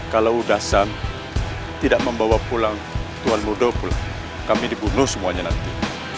kalau udah sam tidak membawa pulang tuan mudo pulang kami dibunuh semuanya nanti